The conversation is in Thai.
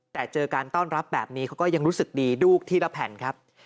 แต่เจอการต้อนรับแบบนี้เขาก็ยังรู้สึกดีดูทีละแผ่นครับ